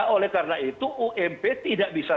oleh karena itu ump tidak bisa